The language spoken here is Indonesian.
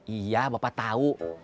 iya bapak tau